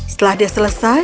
setelah dia selesai